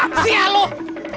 wah si aluh